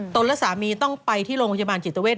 และสามีต้องไปที่โรงพยาบาลจิตเวท